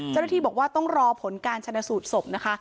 จุดที่บอกว่าต้องรอผลการชนสูตรศพนะคะ